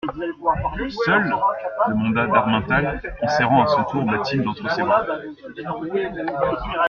Seul ? demanda d'Harmental en serrant à son tour Bathilde entre ses bras.